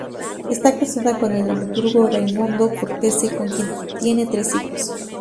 Está casada con el dramaturgo Raimondo Cortese, con quien tiene tres hijos.